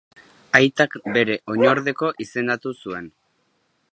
Aitak bere oinordeko izendatu zuen.